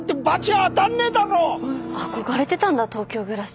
憧れてたんだ東京暮らし。